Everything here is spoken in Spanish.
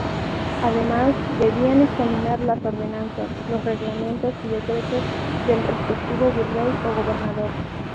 Además, debían examinar las ordenanzas, los reglamentos y decretos del respectivo virrey o gobernador.